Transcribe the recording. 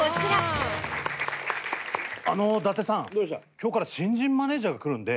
今日から新人マネージャーが来るんで。